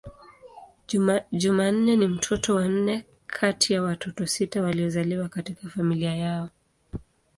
Jumanne ni mtoto wa nne kati ya watoto sita waliozaliwa katika familia yao.